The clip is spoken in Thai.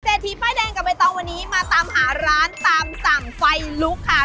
ทีป้ายแดงกับใบตองวันนี้มาตามหาร้านตามสั่งไฟลุกค่ะ